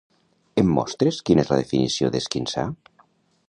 Em mostres quina és la definició d'esquinçar?